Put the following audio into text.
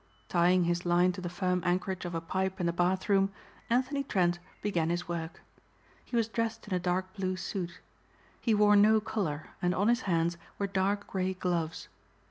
Tying his line to the firm anchorage of a pipe in the bath room Anthony Trent began his work. He was dressed in a dark blue suit. He wore no collar and on his hands were dark gray gloves.